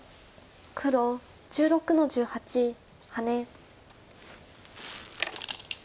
黒１６の十八ハネ。